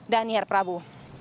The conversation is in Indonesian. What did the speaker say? dan nihar prabu